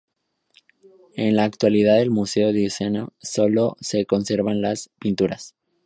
En la actualidad en el Museo Diocesano solo se conservan las pinturas.